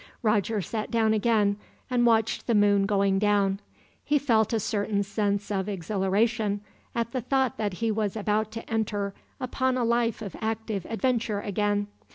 Roger sat down again, and watched the moon going down. He felt a certain sense of exhilaration at the thought that he was about to enter upon a life of active adventure, again.